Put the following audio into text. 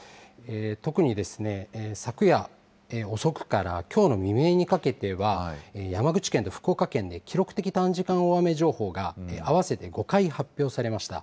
特に昨夜遅くからきょうの未明にかけては、山口県と福岡県で記録的短時間大雨情報が、合わせて５回発表されました。